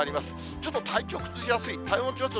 ちょっと体調崩しやすい、体温調節